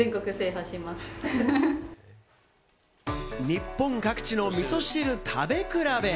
日本各地のみそ汁食べ比べ。